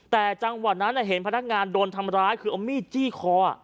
แต่จังหวะนั้นเห็นพนักงานโดนทำร้ายคือเอามีดจี้คอ